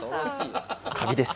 カビです。